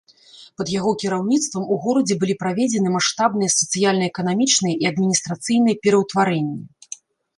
Пад яго кіраўніцтвам у горадзе былі праведзены маштабныя сацыяльна-эканамічныя і адміністрацыйныя пераўтварэнні.